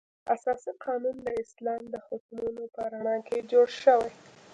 اساسي قانون د اسلام د حکمونو په رڼا کې جوړ شوی.